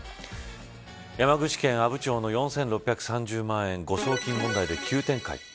山口県阿武町の４６３０万円誤送金問題で急展開。